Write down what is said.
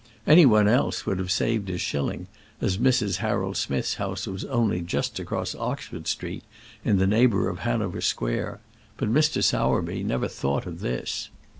Any one else would have saved his shilling, as Mrs. Harold Smith's house was only just across Oxford Street, in the neighbourhood of Hanover Square; but Mr. Sowerby never thought of this.